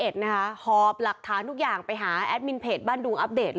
หอบหลักฐานทุกอย่างไปหาแอดมินเพจบ้านดุงอัปเดต